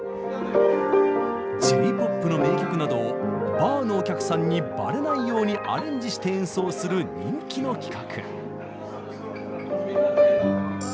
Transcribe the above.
Ｊ−ＰＯＰの名曲などをバーのお客さんにバレないようにアレンジして演奏する人気の企画。